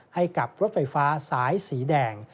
ให้กับรถไฟฟ้าสายสีแดง